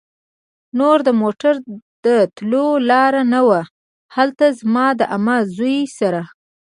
نور د موټر د تلو لار نه وه. هلته زما د عمه زوی سره